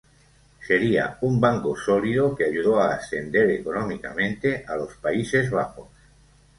Sería un banco sólido, que ayudó a ascender económicamente a los Países Bajos.